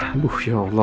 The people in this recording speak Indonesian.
aduh ya allah